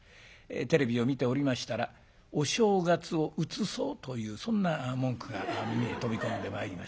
テレビを見ておりましたら「お正月をうつそう」というそんな文句が目に飛び込んでまいりました。